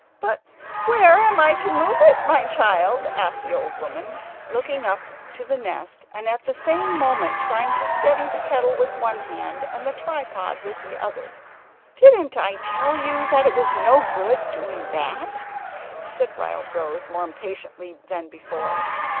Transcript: "But where am I to move it to, my child?" asked the old woman, looking up to the nest, and at the same moment trying to steady the kettle with one hand and the tripod with the other. "Didn't I tell you that it was no good doing that," said Wildrose, more impatiently than before.